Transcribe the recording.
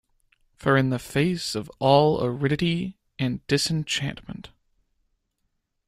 For in the face of all aridity and disenchantment